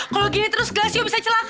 kalau gini terus gassio bisa celah